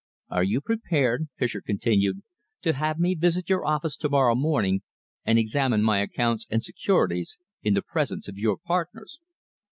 "Are you prepared," Fischer continued, "to have me visit your office to morrow morning and examine my accounts and securities in the presence of your partners?"